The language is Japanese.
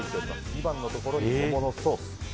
２番のところに桃のソース。